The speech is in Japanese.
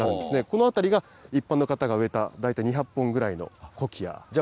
この辺りが一般の方が植えた大体２００本ぐらいのコキアです。